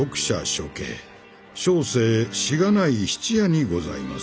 諸兄小生しがない質屋にございます。